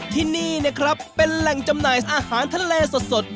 ที่นี่นะครับเป็นแหล่งจำหน่ายอาหารทะเลสด